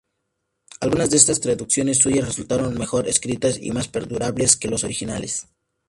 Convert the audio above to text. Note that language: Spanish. Algunas de estas traducciones suyas resultaron mejor escritas y más perdurables que los originales.